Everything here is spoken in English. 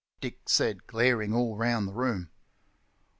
Dick said, glaring all round the room.